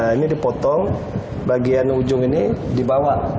ini dipotong bagian ujung ini dibawa